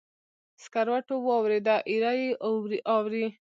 سکروټو واوریده، ایره یې اوري